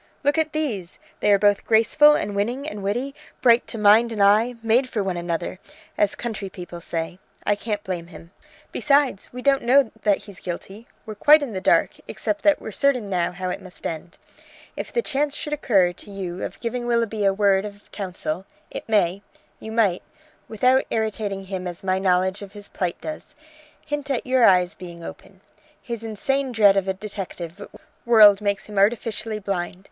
Look at these! They are both graceful and winning and witty, bright to mind and eye, made for one another, as country people say. I can't blame him. Besides, we don't know that he's guilty. We're quite in the dark, except that we're certain how it must end. If the chance should occur to you of giving Willoughby a word of counsel it may you might, without irritating him as my knowledge of his plight does, hint at your eyes being open. His insane dread of a detective world makes him artificially blind.